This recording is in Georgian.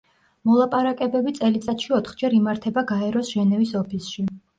მოლაპარაკებები წელიწადში ოთხჯერ იმართება გაეროს ჟენევის ოფისში.